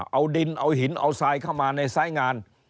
เอาดินเอาหินเอาทรายเข้ามาในสายงาน